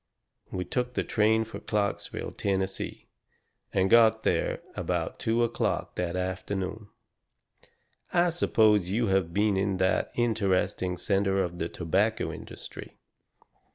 We took the train for Clarksville, Tennessee, and got there about two o'clock that afternoon. I suppose you have been in that interesting centre of the tobacco industry.